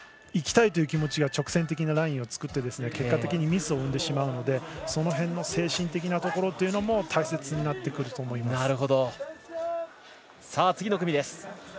どうしても行きたいという気持ちが直線的なラインを作って結果的にミスを生んでしまうのでその辺の精神的なところも大切になってくると思います。